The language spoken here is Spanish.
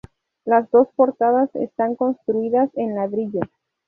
Las dos portadas están construidas en ladrillo.